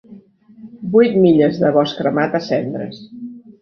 Vuit milles de bosc cremat a cendres.